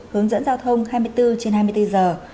hướng dẫn giao thông hai mươi bốn trên hai mươi bốn giờ